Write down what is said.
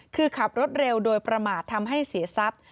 คือขับรถเร็วโดยประมาททำให้เสียทรัพย์